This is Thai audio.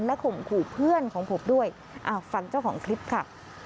ข่มขู่เพื่อนของผมด้วยฟังเจ้าของคลิปค่ะ